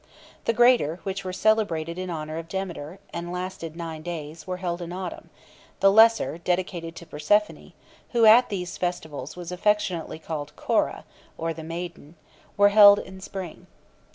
The Greater, which were celebrated in honour of Demeter, and lasted nine days, were held in autumn; the Lesser, dedicated to Persephone (who at these festivals was affectionately called Cora, or the maiden), were held in spring.